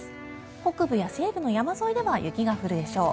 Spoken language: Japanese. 北部や西部の山沿いでは雪が降るでしょう。